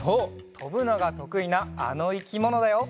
とぶのがとくいなあのいきものだよ！